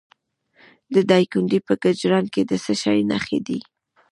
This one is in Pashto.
د دایکنډي په کجران کې د څه شي نښې دي؟